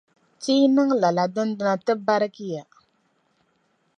Ti yi niŋ lala dindina ti birigiya.